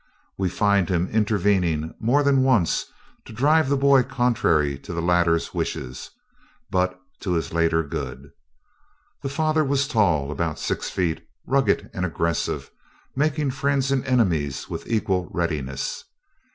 We find him intervening more than once to drive the boy contrary to the latter's wishes but to his later good. The father was tall, about six feet, rugged and aggressive, making friends and enemies with equal readiness.